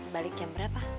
balik yang berapa